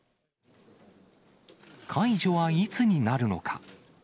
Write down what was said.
解除はいつになるのか。